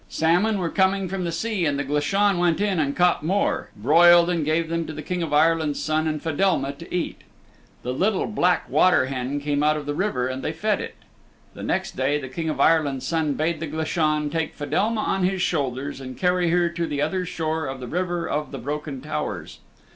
Salmon were coming from the sea and the Glashan went in and caught more, The King of the Land of Mist 239 broiled and gave them to the King of Ireland's Son and Fedelma to eat. The little black water hen came out of the river and they fed it. The next day the King of Ireland's Son bade the Glashan take Fedelma on his shoulders and carry her to the other shore of the River of the Broken Towers.